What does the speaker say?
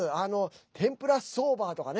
天ぷらソーバーとかね。